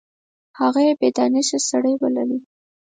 هغه یې بې دانشه سړی بللی.